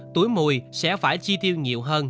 tuổi mùi sẽ phải chi tiêu nhiều hơn